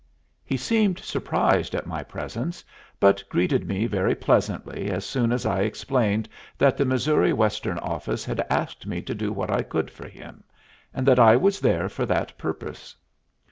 He seemed surprised at my presence, but greeted me very pleasantly as soon as I explained that the Missouri Western office had asked me to do what I could for him, and that I was there for that purpose.